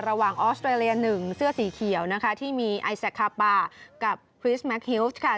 ระหว่างออสเตอร์เลีย๑เสื้อสีเขียวนะคะที่มีไอซักคาปากับพริสแมคฮิลฟ์ค่ะ